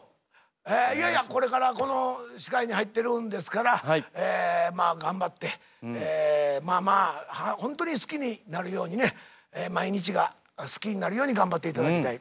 えいやいやこれからこの世界に入ってるんですからえまあ頑張ってまあまあホントに好きになるようにね毎日が好きになるように頑張っていただきたい。